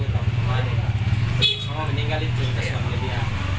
bapak meninggal itu suami dia